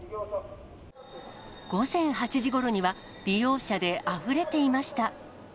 午前８時ごろには、利用者であふれていました。